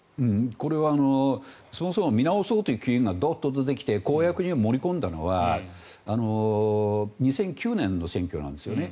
これはそもそも見直そうという機運が出てきて公約に盛り込んだのは２００９年の選挙なんですね。